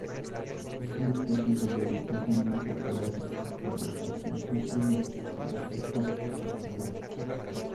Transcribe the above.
Es una especie mayoritariamente pelágica, que se asienta en el sustrato para procrear.